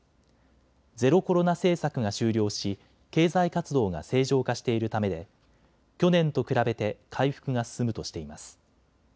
ゼロコロナ政策が終了し経済活動が正常化しているためで去年と比べて回復が進むとしています。